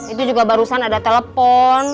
itu juga barusan ada telepon